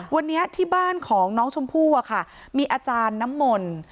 วันนี้ที่บ้านของน้องชมพู่อะค่ะมีอาจารย์น้ำมนต์